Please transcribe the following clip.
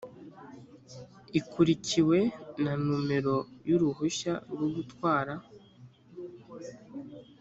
ikurikiwe na nomero y uruhushya rwo gutwara